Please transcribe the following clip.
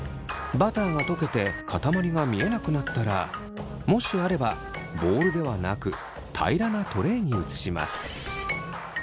バターが溶けてかたまりが見えなくなったらもしあればボウルではなく平らなトレイに移します。